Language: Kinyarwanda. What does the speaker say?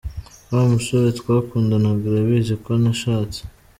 Wa musore twakundanaga arabizi ko nashatse.